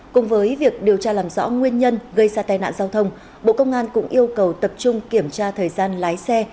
cùng với việc điều tra làm rõ nguyên nhân gây ra tai nạn giao thông bộ công an cũng yêu cầu tập trung kiểm tra thời gian lái xe